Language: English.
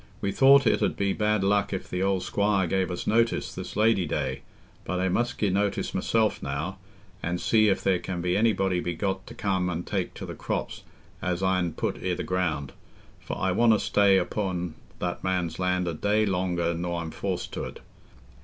"We thought it 'ud be bad luck if the old squire gave us notice this Lady day, but I must gi' notice myself now, an' see if there can anybody be got to come an' take to the crops as I'n put i' the ground; for I wonna stay upo' that man's land a day longer nor I'm forced to't.